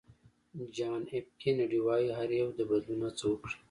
جان اېف کېنیډي وایي هر یو د بدلون هڅه وکړي.